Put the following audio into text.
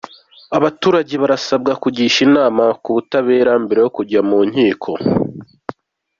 Abaturage barasabwa kugisha inama ku butabera mbere yo kujya mu nkiko